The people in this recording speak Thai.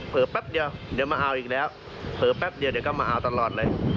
แป๊บเดียวเดี๋ยวมาเอาอีกแล้วเผลอแป๊บเดียวเดี๋ยวก็มาเอาตลอดเลย